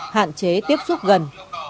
hạn chế tiếp xúc gần